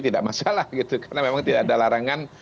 tidak masalah gitu karena memang tidak ada larangan